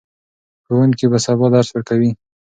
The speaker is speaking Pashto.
ښوونکي به سبا درس ورکوي.